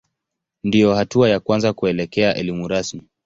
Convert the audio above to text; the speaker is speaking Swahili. Ndiyo hatua ya kwanza kuelekea elimu rasmi.